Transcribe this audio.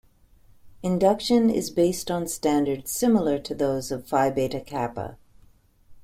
Induction is based on standards similar to those of Phi Beta Kappa.